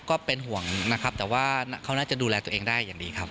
ก็เป็นห่วงนะครับแต่ว่าเขาน่าจะดูแลตัวเองได้อย่างดีครับ